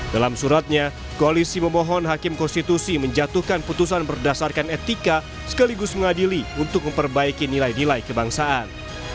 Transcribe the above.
dalam suratnya koalisi memohon hakim konstitusi menjatuhkan putusan berdasarkan etika sekaligus mengadili untuk memperbaiki nilai nilai kebangsaan